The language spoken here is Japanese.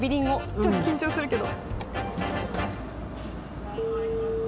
ちょっと緊張するけど。